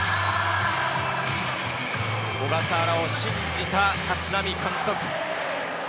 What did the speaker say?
小笠原を信じた立浪監督。